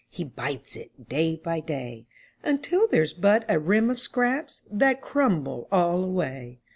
He bites it, day by day, Until there's but a rim of scraps That crumble all away.